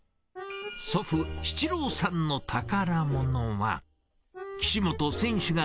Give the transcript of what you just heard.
祖父、七郎さんの宝物は。